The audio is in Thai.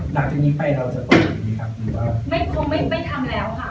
หลังจากนี้ให้เราจะปล่อยอย่างนี้ค่ะหรือว่า